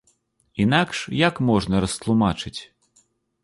Інакш, як можна растлумачыць?